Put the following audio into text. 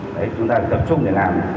đấy chúng ta phải tập trung để làm